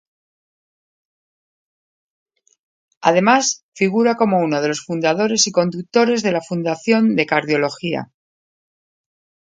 Además, figura como uno de los fundadores y conductores de la Fundación de Cardiología.